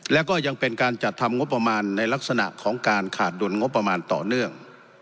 และก็ยังเป็นการจัดทำงบประมาณในลักษณะของการขาดดุลงบประมาณต่อเนื่อง